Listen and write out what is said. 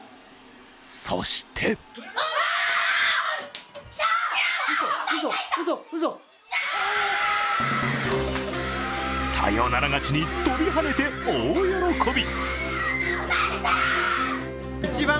そしてサヨナラ勝ちに跳びはねて大喜び。